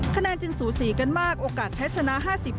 คะแนนจึงสูสีกันมากโอกาสแพ้ชนะ๕๐